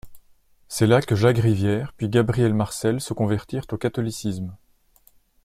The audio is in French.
C'est là que Jacques Rivière puis Gabriel Marcel se convertirent au catholicisme.